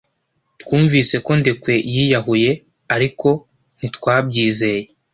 Twumvise ko Ndekwe yiyahuye, ariko ntitwabyizeye.